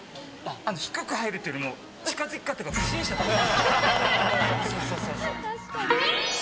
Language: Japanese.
低く入るというよりも近づき方が不審者だった。